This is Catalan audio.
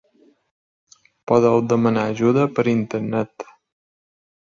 Podeu demanar ajuda per Internet.